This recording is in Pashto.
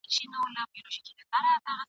نه یوازي د جیولوجي یو لایق انجنیر وو !.